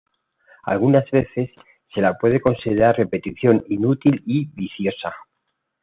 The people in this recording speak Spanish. Algunas veces se la puede considerar repetición inútil y viciosa.